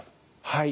はい。